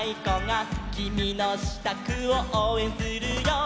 「きみのしたくをおうえんするよ」